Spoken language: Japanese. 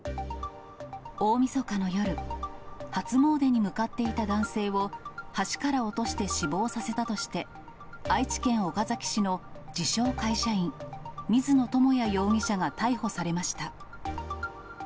大みそかの夜、初詣に向かっていた男性を、橋から落として死亡させたとして、愛知県岡崎市の自称会社員、水野智哉容疑者が逮捕されました。